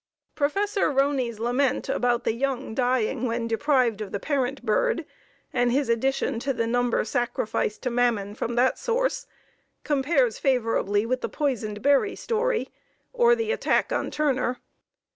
Prof. Roney's lament about the young dying when deprived of the parent bird, and his addition to the number "sacrificed to Mammon" from that source, compares favorably with the poisoned berry story, or the attack on Turner.